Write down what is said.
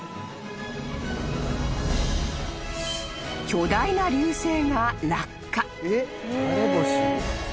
［巨大な流星が落下］